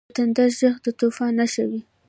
• د تندر ږغ د طوفان نښه وي.